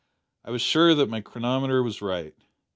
I was sure that my chronometer was right.